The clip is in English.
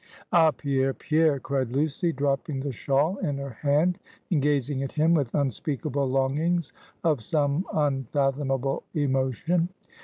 "Ah Pierre! Pierre!" cried Lucy, dropping the shawl in her hand, and gazing at him with unspeakable longings of some unfathomable emotion.